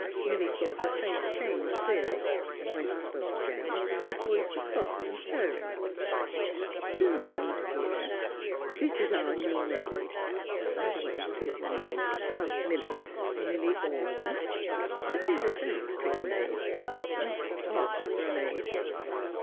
Milly saw her face change queerly. When she spoke again, her voice was soft and purring. *' Sylvia, my dear; this is our new maid. — By the way, what is your name? Oh, Milly — Milly Orne. That is a very pretty name and odd, for a maid.